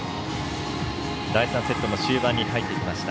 第３セットも終盤に入ってきました。